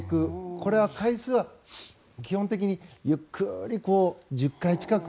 これは回数は基本的にゆっくり１０回近く。